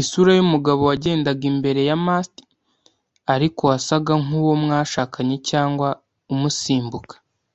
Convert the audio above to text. isura yumugabo wagendaga imbere ya mast, ariko wasaga nkuwo mwashakanye cyangwa umusimbuka